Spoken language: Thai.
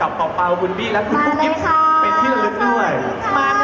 มาประจกลายฉีดแล้วพอเดี๋ยวมีของรางวัลมาเนี่ย